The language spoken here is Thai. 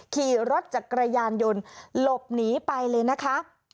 ขี่รถจากกระย่ายนลบนีไปเลยนะคะ